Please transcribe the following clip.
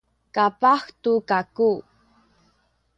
kapah tu kaku